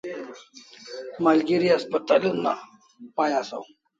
Malgeri haspatal una pai asaw